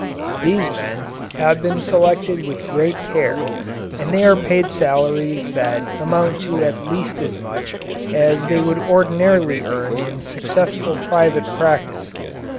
These men have been selected with great care and they are paid salaries that amount to at least as much as they would ordinarily earn in successful private practice.